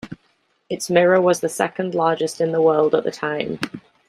Its mirror was the second largest in the world at the time.